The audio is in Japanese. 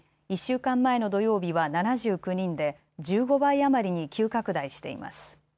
１週間前の土曜日は７９人で１５倍余りに急拡大しています。